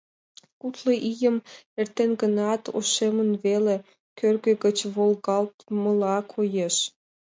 Кудло ийым эртен гынат, ошемын веле, кӧргӧ гыч волгалтмыла коеш.